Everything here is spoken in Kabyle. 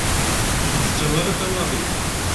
Ur d-ttawi ara tawiɣt.